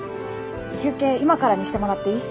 休憩今からにしてもらっていい？